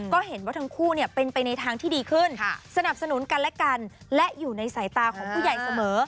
ก็เห็นว่าทั้งคู่เป็นไปในทางที่ดีขึ้นสนับสนุนกันและกันและอยู่ในสายตาของผู้ใหญ่เสมอ